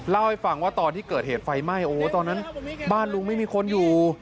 เล่าให้ฟังว่าตอนที่เกิดเหตุไฟไหม้โอ้ตอนนั้นบ้านลุงไม่มีคนอยู่